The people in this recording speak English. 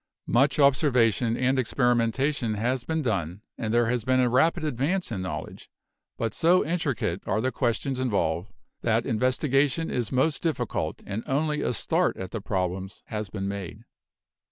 Much observation and experi mentation has been done and there has been a rapid ad HEREDITY 259 vance in knowledge, but so intricate are the questions in volved that investigation is most difficult and only a start at the problems has been made.